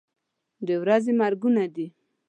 د ورځې مرګونه دي.